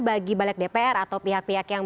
bagi balik dpr atau pihak pihak yang